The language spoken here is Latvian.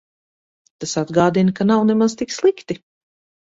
Tas atgādina, ka nav nemaz tik slikti.